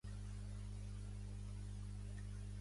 Així acabes els estudis a l'ESMUC.